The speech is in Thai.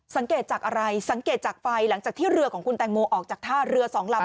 สังเกตจากอะไรสังเกตจากไฟหลังจากที่เรือของคุณแตงโมออกจากท่าเรือสองลำ